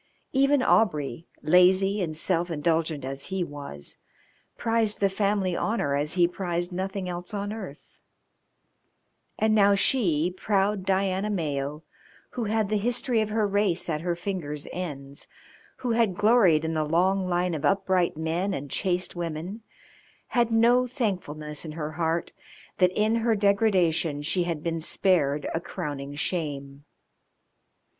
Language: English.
Even Aubrey, lazy and self indulgent as he was, prized the family honour as he prized nothing else on earth; and now she, proud Diana Mayo, who had the history of her race at her fingers' ends, who had gloried in the long line of upright men and chaste women, had no thankfulness in her heart that in her degradation she had been spared a crowning shame.